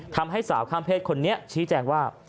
ทำให้สาวข้ามเพศคนนี้ชี้แจงว่า